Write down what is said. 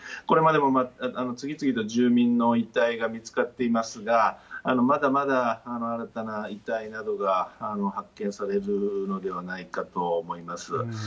これまでも次々と住民の遺体が見つかっていますが、まだまだ新たな遺体などが発見されるのではないかと思います。